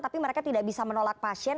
tapi mereka tidak bisa menolak pasien